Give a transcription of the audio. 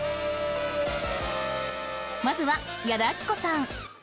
まずは矢田亜希子さん